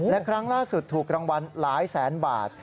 และครั้งล่าสุดถูกรางวัลหลายแสนบาท